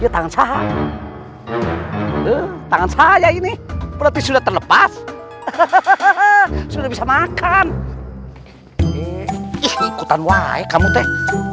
tangan saya ini berarti sudah terlepas bisa makan ikutan wae kamu teh